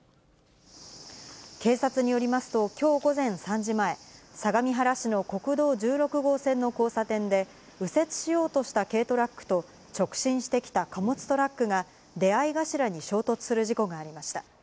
警察によりますと、きょう午前３時前、相模原市の国道１６号線の交差点で、右折しようとした軽トラックと、直進してきた貨物トラックが、出合い頭に衝突する事故がありました。